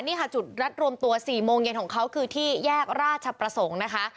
นี่ค่ะจุดรัดรวมตัว๔โมงเย็นของเขาคือที่แยกราชประสงค์นะคะ